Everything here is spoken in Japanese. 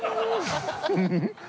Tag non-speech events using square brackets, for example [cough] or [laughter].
フフフ [laughs]